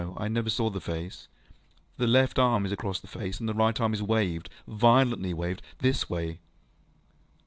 I never saw the face. The left arm is across the face, and the right arm is waved, ŌĆöviolently waved. This way.